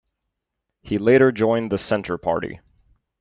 He later joined the Centre Party.